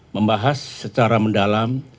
membahas secara mendalam